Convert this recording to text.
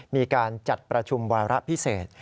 มีการจัดประชุมวาระพิเศษ